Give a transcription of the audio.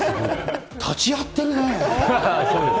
立ち会ってるね。